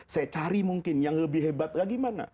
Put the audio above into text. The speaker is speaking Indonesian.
saya cari mungkin yang lebih hebat lagi mana